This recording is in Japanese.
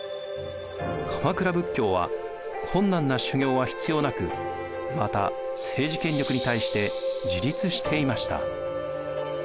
鎌倉仏教は困難な修行は必要なくまた政治権力に対して自立していました。